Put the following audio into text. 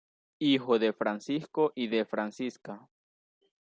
Hijo de Francisco y de Francisca.